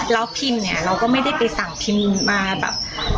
แล้วพิมพ์เนี่ยเราก็ไม่ได้ไปสั่งพิมพ์มาแบบ